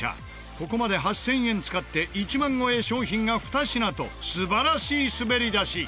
ここまで８０００円使って１万超え商品が２品と素晴らしい滑り出し。